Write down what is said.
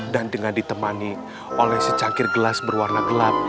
dan dengan ditemani oleh secangkir gelas berwarna gelap